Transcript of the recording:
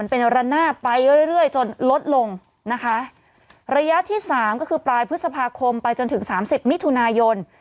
เป็นระนาดไปเรื่อยเรื่อยจนลดลงนะคะระยะที่สามก็คือปลายพฤษภาคมไปจนถึงสามสิบมิถุนายน